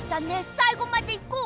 さいごまでいこう！